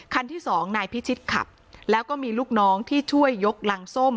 ที่สองนายพิชิตขับแล้วก็มีลูกน้องที่ช่วยยกรังส้ม